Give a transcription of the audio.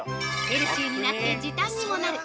ヘルシーになって時短にもなる！